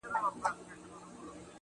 څومــــره جهاد ستا پۀ حسـاب پاتې دی